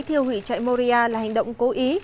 thiêu hủy chạy moria là hành động cố ý